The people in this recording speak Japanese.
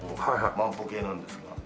万歩計なんですが。